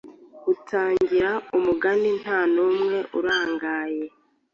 utangire umugani nta n’umwe urangaye